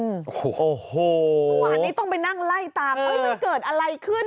โอ้โหเมื่อวานนี้ต้องไปนั่งไล่ตามมันเกิดอะไรขึ้น